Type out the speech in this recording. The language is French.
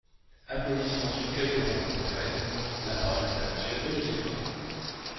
(Applaudissements sur quelques bancs du groupe REM.) La parole est à Monsieur Olivier Faure.